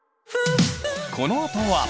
このあとは。